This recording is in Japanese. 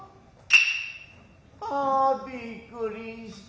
あーびっくりした。